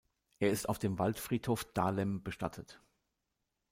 Er ist auf dem Waldfriedhof Dahlem bestattet.